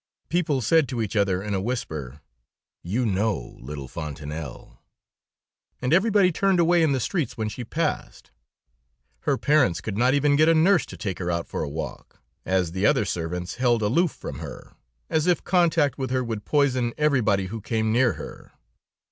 People said to each other in a whisper: 'You know, little Fontanelle,' and everybody turned away in the streets when she passed. Her parents could not even get a nurse to take her out for a walk, as the other servants held aloof from her, as if contact with her would poison everybody who came near her.